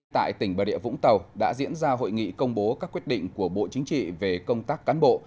tại tỉnh bà địa vũng tàu đã diễn ra hội nghị công bố các quyết định của bộ chính trị về công tác cán bộ